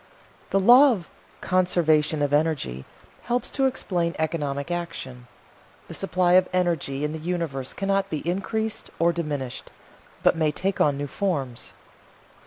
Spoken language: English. The law of "conservation of energy" helps to explain economic action; the supply of energy in the universe cannot be increased or diminished, but may take on new forms.